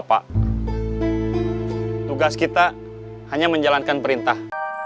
pak tugas kita hanya menjalankan perintah